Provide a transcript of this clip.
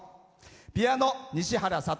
ピアノ、西原悟。